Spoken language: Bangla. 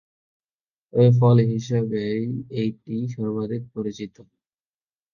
তবে ফল হিসেবেই এটি সর্বাধিক পরিচিত।